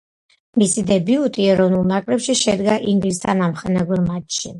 მისი დებიუტი ეროვნულ ნაკრებში შედგა ინგლისთან ამხანაგურ მატჩში.